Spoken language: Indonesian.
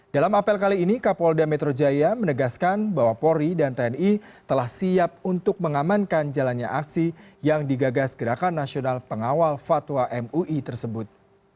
dalam apel kali ini kapolda metro jaya menegaskan bahwa polri dan tni telah siap untuk mengamankan jalannya aksi yang digagas gerakan nasional pengawal fatwa mui tersebut